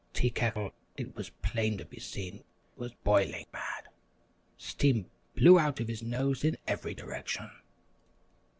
Tea Kettle, it was plain to be seen, was boiling mad. Steam blew out of his nose in every direction.